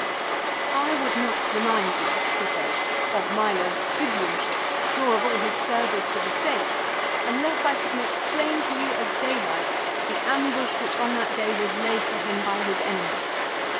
" I would not remind you," he says, " of Milo's Tribune ship nor of all his service to the state, unless I could make plain to you as daylight the ambush which on that day was laid for him by his enemy.